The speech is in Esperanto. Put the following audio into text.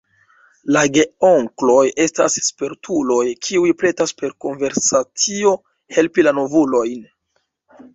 La geonkloj estas spertuloj, kiuj pretas per konversacio helpi la novulojn.